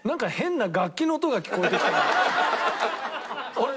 あれ？